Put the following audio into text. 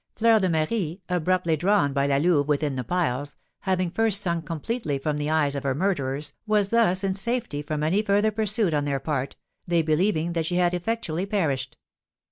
Fleur de Marie, abruptly drawn by La Louve within the piles, having first sunk completely from the eyes of her murderers, was thus in safety from any further pursuit on their part, they believing that she had effectually perished.